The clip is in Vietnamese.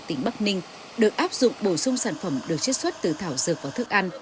tỉnh bắc ninh được áp dụng bổ sung sản phẩm được chất xuất từ thảo dược và thức ăn